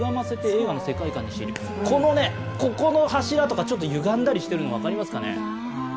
ここの柱とかちょっとゆがんだりしてるの、分かりますかね？